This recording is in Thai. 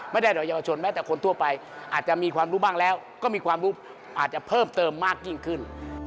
ได้โดยเยาวชนแม้แต่คนทั่วไปอาจจะมีความรู้บ้างแล้วก็มีความรู้อาจจะเพิ่มเติมมากยิ่งขึ้น